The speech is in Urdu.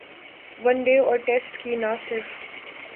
ون ڈے اور ٹیسٹ کی نہ صرف